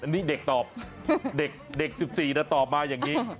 อันนี้เด็กตอบเด็ก๑๔นะตอบมาอย่างนี้